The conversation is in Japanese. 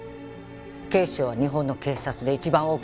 警視庁は日本の警察で一番大きな組織でしょ。